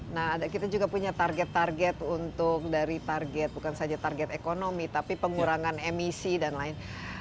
nah kita juga punya target target untuk dari target bukan saja target ekonomi tapi pengurangan emisi dan lain